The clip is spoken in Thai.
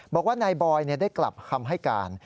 บอกว่านายบอยได้กลับคำให้การ